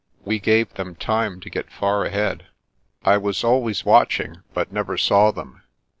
We gave them time to get far ahead. I was always watching, but never saw them.